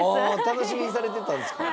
楽しみにされてたんですか。